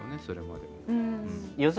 それまでも。